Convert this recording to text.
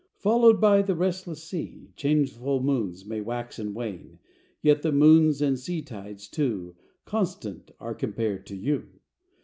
Followed by the restless sea, Changeful moons may wax and wane, Yet the moons and sea tides, too, Constant are compared to you!